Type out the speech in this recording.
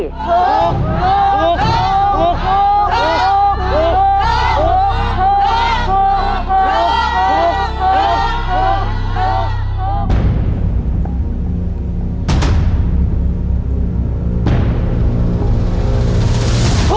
ถูกถูกถูก